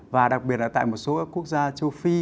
và đặc biệt là tại một số quốc gia châu phi